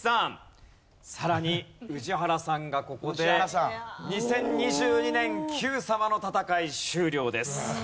さらに宇治原さんがここで２０２２年『Ｑさま！！』の戦い終了です。